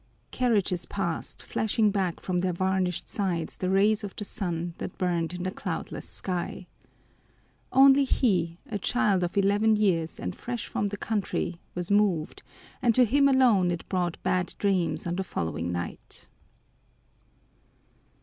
Carriages passed, flashing back from their varnished sides the rays of the sun that burned in a cloudless sky. Only he, a child of eleven years and fresh from the country, was moved, and to him alone it brought bad dreams on the following night.